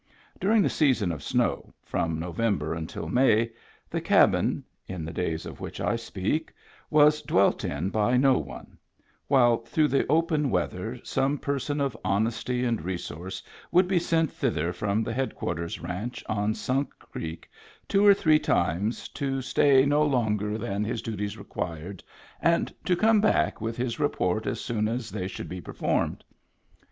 During the season of snow, from November until May, the cabin (in the days of which I speak) was dwelt in by no one; while through the open weather some person of honesty and resource would be sent thither from the headquarters ranch on Sunk Creek two or three times, to stay no longer than 67 Digitized by Google 68 MEMBERS OF THE FAMILY his duties required, and to come back with his report as soon as they should be performed.